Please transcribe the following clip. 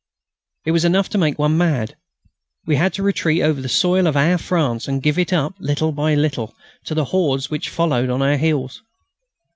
It was enough to make one mad. We had to retreat over the soil of our France and give it up, little by little, to the hordes which followed on our heels....